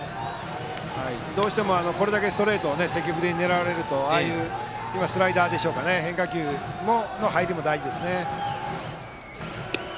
どうしてもこれだけストレートを積極的に狙われるとああいうスライダーでしょうか変化球の入りも大事です。